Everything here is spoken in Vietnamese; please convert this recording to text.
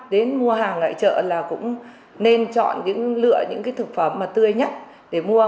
đến mua hàng ở chợ là cũng nên chọn lựa những thực phẩm tươi nhất để mua